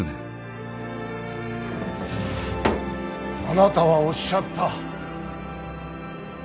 あなたはおっしゃった。